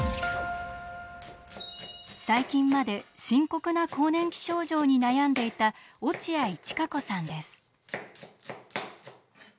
最近まで深刻な更年期症状に悩んでいた落合千賀子さんです。